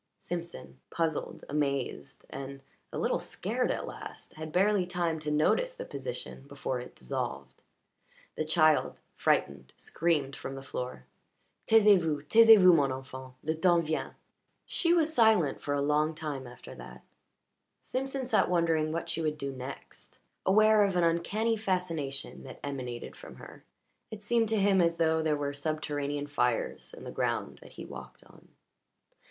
Simpson, puzzled, amazed, and a little scared at last, had barely time to notice the position before it dissolved. The child, frightened, screamed from the floor. "Taisez vous taisez vous, mon enfant. Le temps vient." She was silent for a long time after that. Simpson sat wondering what she would do next, aware of an uncanny fascination that emanated from her. It seemed to him as though there were subterranean fires in the ground that he walked on.